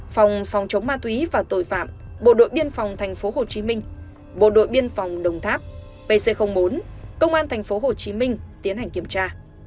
phòng phòng chống ma túy và tội phạm bộ đội biên phòng thành phố hồ chí minh bộ đội biên phòng đồng tháp pc bốn công an thành phố hồ chí minh tiến hành kiểm tra